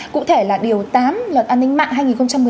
cụ thể là điều tám luật an ninh mạng hai nghìn một mươi bốn